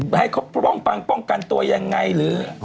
ให้เขาป้องกันตัวยังไงหรือ